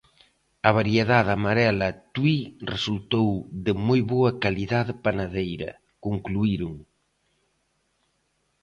A variedade amarela Tui resultou de "moi boa calidade panadeira", concluíron.